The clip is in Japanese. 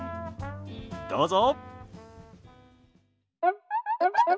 どうぞ。